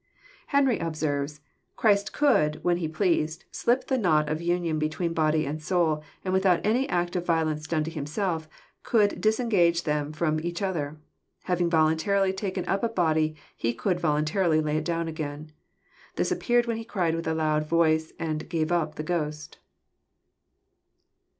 Henry observes :*' Christ could, when He pleased, slip the knot of union between body and soul, and without any act of violence done to Himself, could disengage them Arom each oth er. Having voluntarily taken up a body, he could voluntarily lay it down again. This appeared when He cried with a loud voice, and * gave up ' the ghost."